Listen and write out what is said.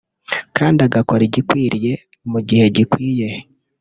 kandi agakora igikwiriye mu gihe gikwiye